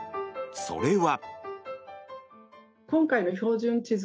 それは。